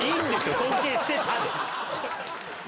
「尊敬してた」で。